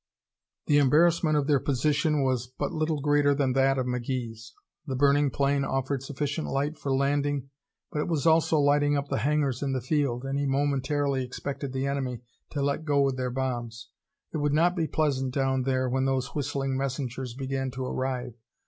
The embarrassment of their position was but little greater than that of McGee's. The burning plane offered sufficient light for landing, but it was also lighting up the hangars and the field, and he momentarily expected the enemy to let go with their bombs. It would not be pleasant down there when those whistling messengers began to arrive.